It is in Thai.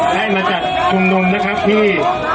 ได้มาจัดชุมนุมนะครับที่